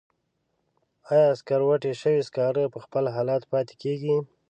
آیا سکروټې شوي سکاره په خپل حالت پاتې کیږي؟